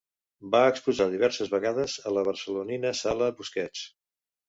Va exposar diverses vegades a la barcelonina Sala Busquets.